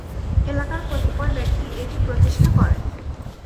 এলাকার কপিতয় ব্যক্তি এটি প্রতিষ্ঠা করেন।